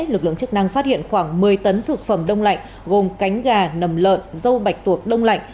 lực lượng chức năng phát hiện khoảng một mươi tấn thực phẩm đông lạnh gồm cánh gà nầm lợn dâu bạch tuộc đông lạnh